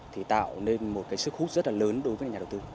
tạo nên một sức hút rất lớn đối với nhà đầu tư